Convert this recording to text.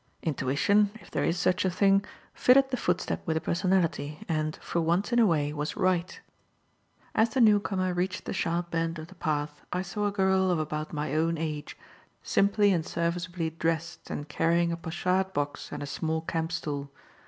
Intuition if there is such a thing fitted the foot step with a personality, and, for once in a way, was right; as the newcomer reached the sharp bend of the path, I saw a girl of about my own age, simply and serviceably dressed and carrying a pochade box and a small camp stool.